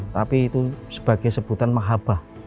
tapi itu sebagai sebutan mahabah